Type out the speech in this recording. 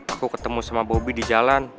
aku ketemu sama bobi di jalan